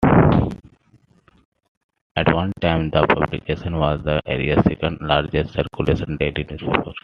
At one time the publication was the area's second largest circulating daily newspaper.